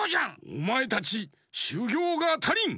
おまえたちしゅぎょうがたりん！